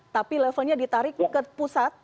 tapi levelnya ditarik ke pusat